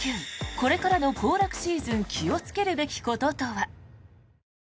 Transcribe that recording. これからの行楽シーズン気をつけるべきこととは。